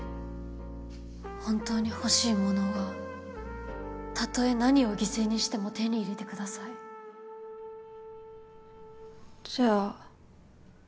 本当に欲しいものはたとえ何を犠牲にしても手に入れてくださいじゃあ